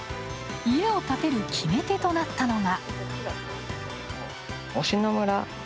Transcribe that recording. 家を建てる決め手となったのが。